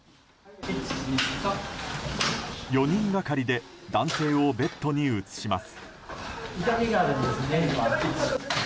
４人がかりで男性をベッドに移します。